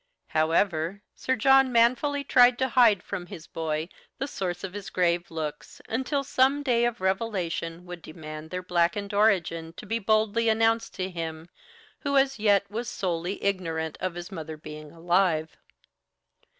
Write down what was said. However, Sir John manfully tried to hide from his boy the source of his grave looks, until some day of revelation would demand their blackened origin to be boldly announced to him who as yet was solely ignorant of his mother being alive.